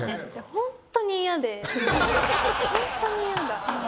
本当に嫌だ。